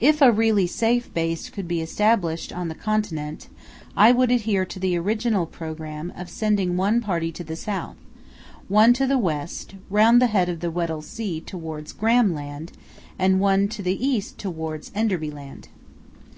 If a really safe base could be established on the continent, I would adhere to the original programme of sending one party to the south, one to the west round the head of the Weddell Sea towards Graham Land, and one to the east towards Enderby Land.